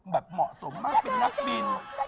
เหมาะสมมากเป็นนักบิน